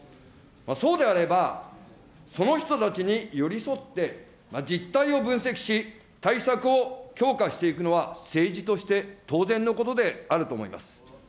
そうであれば、その人たちに寄り添って、実態を分析し、対策を強化していくのは、政治として当然のことであると思います。